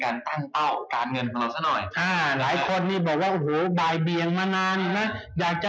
เราเริ่มเลยดีกว่า